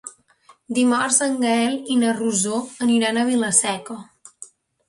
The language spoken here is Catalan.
Dimarts en Gaël i na Rosó aniran a Vila-seca.